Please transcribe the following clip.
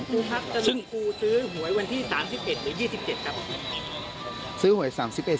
แล้วครูพรรคก็ลุงกูซื้อหวยวันที่๓๑หรือ๒๗ครับ